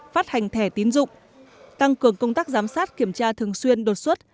phát hành thẻ tín dụng tăng cường công tác giám sát kiểm tra thường xuyên đột xuất